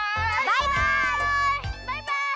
バイバイ！